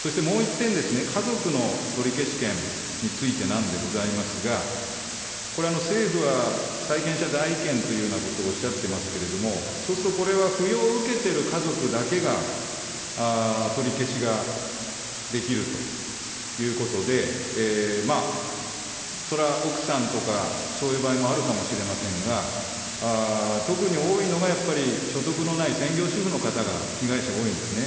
そしてもう１点ですね、家族の取消権についてなんでございますが、これ、政府が債権者代位権というようなことをおっしゃっていますけれども、そうすると、これは扶養を受けてる家族だけが取り消しができるということで、それは奥さんとかそういう場合もあるかもしれませんが、特に多いのがやっぱり、所得のない専業主婦の方が被害者多いんですね。